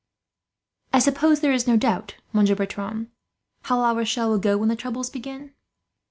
"I suppose there is no doubt, Monsieur Bertram, how La Rochelle will go when the troubles begin?"